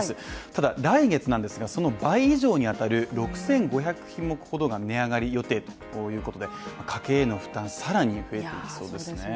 ただ来月なんですが、その倍以上に当たる６５００品目以上が値上がり予定ということで家計への負担が、更に増えていきそうですね。